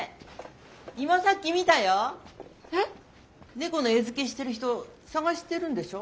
猫の餌付けしてる人捜してるんでしょう？